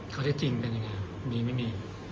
เขาได้จริงเป็นยังไงมีไม่มี